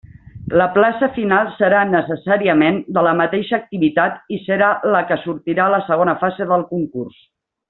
La plaça final serà necessàriament de la mateixa activitat i serà la que sortirà a la segona fase del concurs.